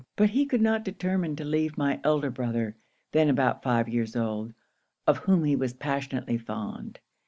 But he could not determine to leave my elder brother, then about five years old, of whom he was passionately fond.